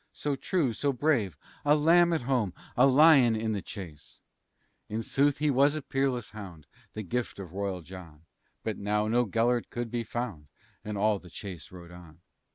So true, so brave, a lamb at home, A lion in the chase!" In sooth, he was a peerless hound, The gift of royal John, But now no Gelert could be found, And all the chase rode on.